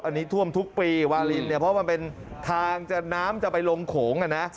อันนี้ท่วมทุกปีวาลินเพราะว่ามันเป็นทางน้ำจะไปลงโขง